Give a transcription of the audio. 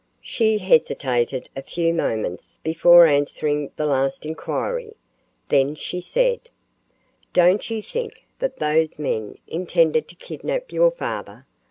She hesitated a few moments before answering the last inquiry; then she said: "Don't you think that those men intended to kidnap your father?